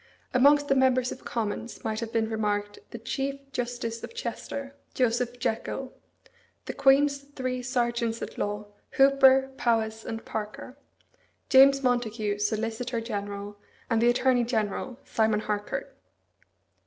Amongst the members of Commons might have been remarked the Chief Justice of Chester, Joseph Jekyll; the Queen's three Serjeants at Law Hooper, Powys, and Parker; James Montagu, Solicitor General; and the Attorney General, Simon Harcourt.